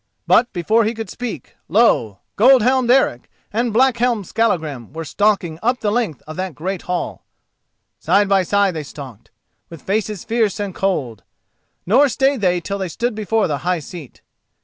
But before he could speak, lo! gold helmed Eric and black helmed Skallagrim were stalking up the length of that great hall. Side by side they stalked, with faces fierce and cold; nor stayed they till they stood before the high seat.